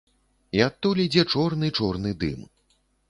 І адтуль ідзе чорны-чорны дым.